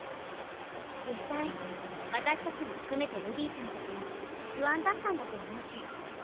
実際私たちも含めてルビィちゃんたちも不安だったんだと思うし。